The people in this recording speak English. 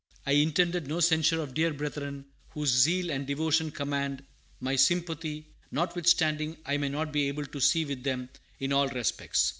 I intended no censure of dear brethren whose zeal and devotion command my sympathy, notwithstanding I may not be able to see with them in all respects.